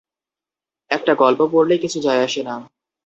একটা গল্প পড়লে কিছু যায় আসে না।